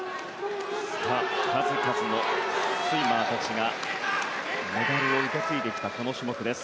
数々のスイマーたちがメダルを受け継いできたこの種目です。